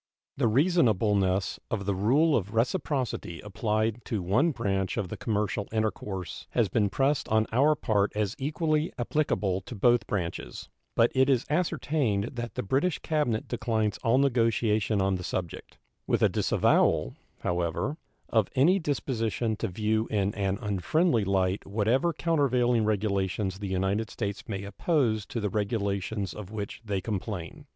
The reasonableness of the rule of reciprocity applied to one branch of the commercial intercourse has been pressed on our part as equally applicable to both branches; but it is ascertained that the British cabinet declines all negotiation on the subject, with a disavowal, however, of any disposition to view in an unfriendly light whatever countervailing regulations the United States may oppose to the regulations of which they complain.